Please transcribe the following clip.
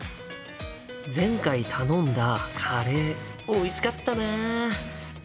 前回頼んだカレーおいしかったな。